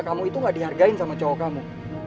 kamu itu gak dihargai sama cowok kamu